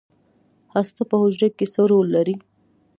هسته په حجره کې څه رول لري؟